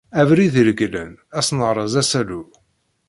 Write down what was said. Abrid iregglen ad s-neṛṛeẓ asalu